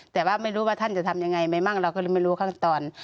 แต่ว่าไม่รู้ว่าท่านจะทำยังไงไหมมั่งเราก็เลยไม่รู้ขั้นตอน